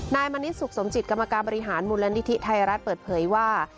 มณิชสุขสมจิตกรรมการบริหารมูลนิธิไทยรัฐเปิดเผยว่า